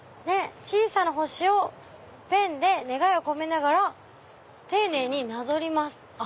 「小さな星をペンで願いを込めながら丁寧になぞります」。